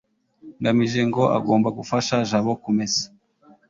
ngamije ngo agomba gufasha jabo kumesa